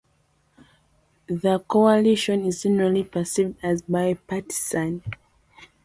The Coalition is generally perceived as bipartisan.